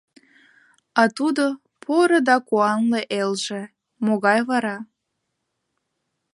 — А тудо, Поро да Куанле элже, могай вара?